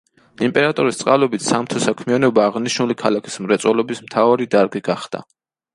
იმპერატორის წყალობით სამთო საქმიანობა აღნიშნული ქალაქის მრეწველობის მთავარი დარგი გახდა.